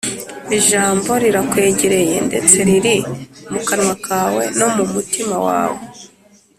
… Ijambo rirakwegereye, ndetse riri mu kanwa kawe no mu mutima wawe: